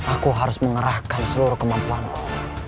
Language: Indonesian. aku harus mengerahkan seluruh kemampuanku